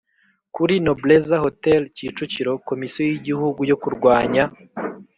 kuri Nobleza Hotel Kicukiro Komisiyo y Igihugu yo Kurwanya